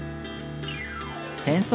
「戦争？